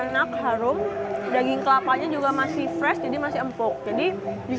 hmm enak harum daging kelapanya juga masih fresh jadi masih empuk jadi enak banget